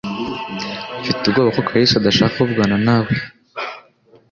Mfite ubwoba ko Kalisa adashaka kuvugana nawe